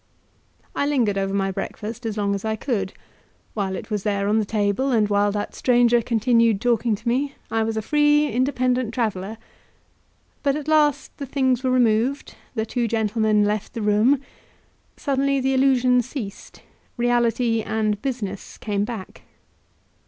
I lingered over my breakfast as long as I could; while it was there on the table, and while that stranger continued talking to me, I was a free, independent traveller; but at last the things were removed, the two gentlemen left the room; suddenly the illusion ceased, reality and business came back.